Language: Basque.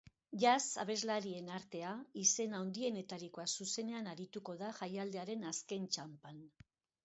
Jazz abeslarien artea, izen handienetarikoa zuzenean arituko da jaialdiaren azken txanpan.